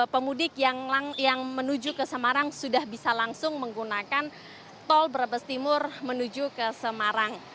pemudik yang menuju ke semarang sudah bisa langsung menggunakan tol brebes timur menuju ke semarang